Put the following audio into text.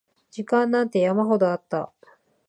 時間なんて山ほどあった